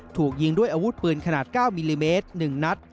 ถูกยิงด้วยอาวุธปืนขนาด๙มิลลิเมตร๑นัด